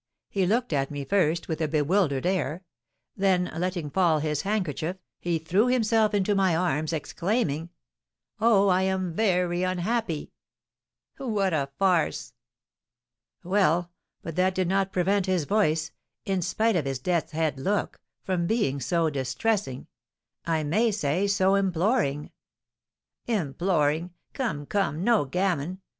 He looked at me first with a bewildered air; then letting fall his handkerchief, he threw himself into my arms, exclaiming, 'Oh, I am very unhappy!'" "What a farce!" "Well, but that did not prevent his voice in spite of his death's head look from being so distressing, I may say so imploring " "Imploring! Come, come, no gammon!